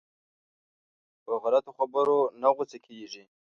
په غلطو خبرو نه غوسه کېږي.